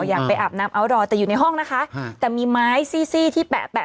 อยากไปอาบน้ำอัลดอร์แต่อยู่ในห้องนะคะแต่มีไม้ซี่ซี่ที่แปะ